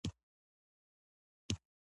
موږ سبق لولو.